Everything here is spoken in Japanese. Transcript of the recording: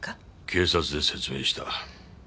警察で説明した。